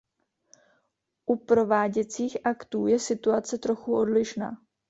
U prováděcích aktů je situace trochu odlišná.